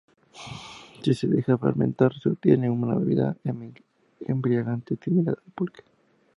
Si se deja fermentar se obtiene una bebida embriagante similar al pulque.